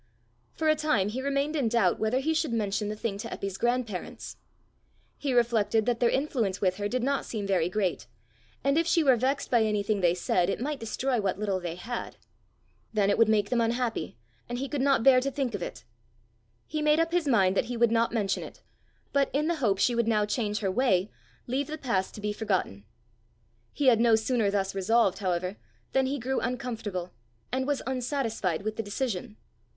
For a time he remained in doubt whether he should mention the thing to Eppy's grandparents. He reflected that their influence with her did not seem very great, and if she were vexed by anything they said, it might destroy what little they had. Then it would make them unhappy, and he could not bear to think of it. He made up his mind that he would not mention it, but, in the hope she would now change her way, leave the past to be forgotten. He had no sooner thus resolved, however, than he grew uncomfortable, and was unsatisfied with the decision.